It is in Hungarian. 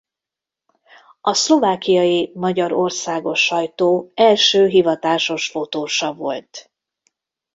A szlovákiai magyar országos sajtó első hivatásos fotósa volt.